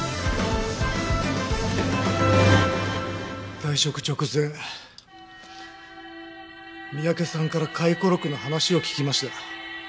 退職直前三宅さんから回顧録の話を聞きました。